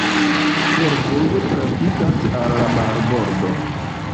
Fervojo trafikas al la marbordo.